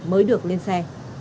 mới được lên xe